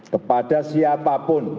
kepada siapa yang memiliki kekuatan yang baik